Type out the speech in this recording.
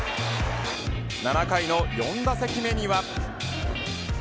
７回の４打席目には。